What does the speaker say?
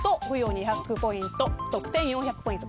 ２００ポイント特典４００ポイント。